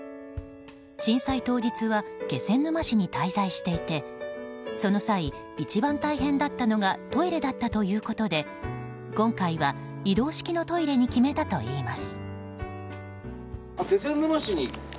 震災当日は気仙沼市に滞在していてその際、一番大変だったのがトイレだったということで今回は移動式のトイレに決めたといいます。